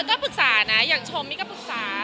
ก็ปรึกษานะอย่างชมนี่ก็ปรึกษา